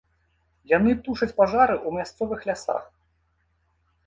Яны тушаць пажары ў мясцовых лясах.